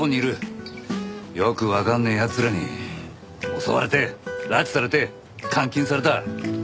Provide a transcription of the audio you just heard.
よくわかんねえ奴らに襲われて拉致されて監禁された。